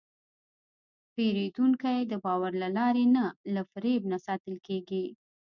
پیرودونکی د باور له لارې نه، له فریب نه ساتل کېږي.